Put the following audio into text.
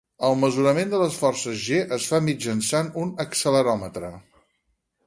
El mesurament de les forces g es fa mitjançant un acceleròmetre.